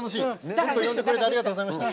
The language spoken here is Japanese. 今日は呼んでくれてありがとうございました。